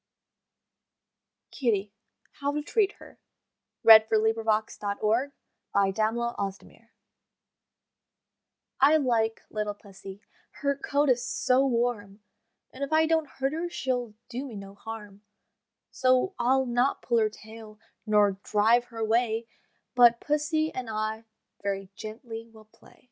KITTY: HOW TO TREAT HER I like little Pussy, her coat is so warm, And if I don't hurt her she'll do me no harm; So I'll not pull her tail, nor drive her away, But Pussy and I very gently will play.